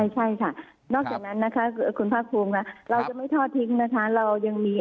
ใช่ค่ะนอกจากนั้นนะคะคุณภาคภูมิค่ะเราจะไม่ทอดทิ้งนะคะเรายังมี